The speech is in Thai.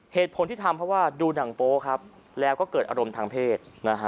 เหตุผลที่ทำเพราะว่าดูหนังโป๊ครับแล้วก็เกิดอารมณ์ทางเพศ